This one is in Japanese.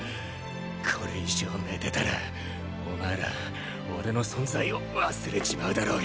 これ以上寝てたらお前ら俺の存在を忘れちまうだろうが！